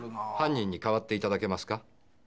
「犯人に代わっていただけますか？」